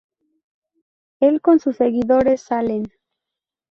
Él con sus seguidores salen.